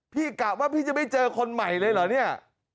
กะว่าพี่จะไม่เจอคนใหม่เลยเหรอเนี่ย